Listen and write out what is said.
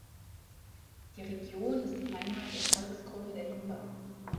Die Region ist die Heimat der Volksgruppe der Himba.